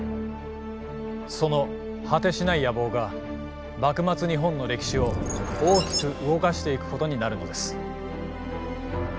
その果てしない野望が幕末日本の歴史を大きく動かしていくことになるのです。